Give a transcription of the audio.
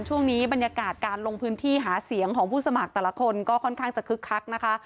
ช่วงนี้บรรยากาศการลงพื้นที่หาเสียงของผู้สมัครแต่ละคนก็ค่อนข้างจะคึกคักนะคะ